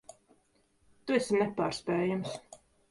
Tu esi nepārspējams.